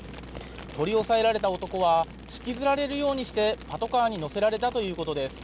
取り押さえられた男は引きずられるようにしてパトカーに乗せられたということです。